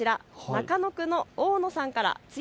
中野区のおおのさんから。